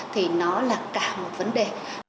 thì nó là cả một vấn đề